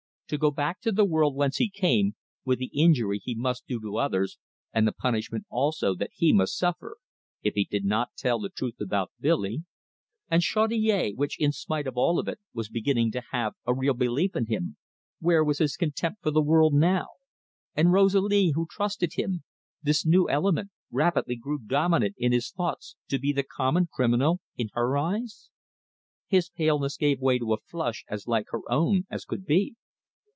To go back to the world whence he came, with the injury he must do to others, and the punishment also that he must suffer, if he did not tell the truth about Billy! And Chaudiere, which, in spite of all, was beginning to have a real belief in him where was his contempt for the world now!... And Rosalie, who trusted him this new element rapidly grew dominant in his thoughts to be the common criminal in her eyes! His paleness gave way to a flush as like her own as could be.